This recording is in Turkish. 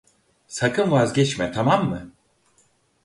Sakın vazgeçme, tamam mı.